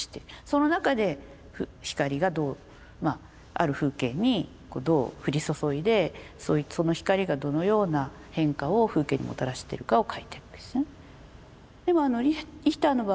その中で光がどうある風景にどう降り注いでその光がどのような変化を風景にもたらしてるかを描いてるわけですね。